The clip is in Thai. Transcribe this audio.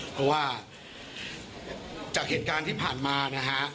เพราะว่าจากเหตุการณ์ที่ผ่านมานะฮะ